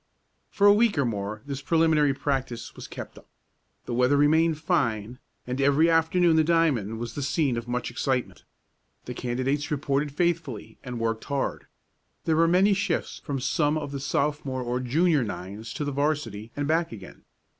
For a week or more this preliminary practice was kept up. The weather remained fine, and every afternoon the diamond was the scene of much excitement. The candidates reported faithfully, and worked hard. There were many shifts from some of the Sophomore or Junior nines to the 'varsity, and back again.